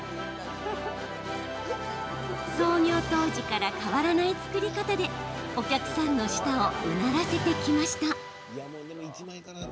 創業当時から変わらない作り方でお客さんの舌をうならせてきました。